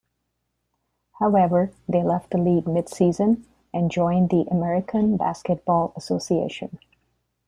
However, they left the league mid-season and joined the American Basketball Association.